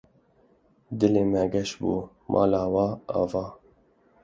dilê me geş bû mala we ava